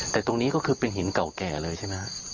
แต่ตรงนี้ก็คือเป็นหินเก่าแก่เลยใช่ไหมฮะ